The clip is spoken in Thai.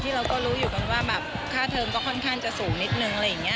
ที่เราก็รู้อยู่กันว่าค่าเทิมก็ค่อนข้างจะสูงนิดนึง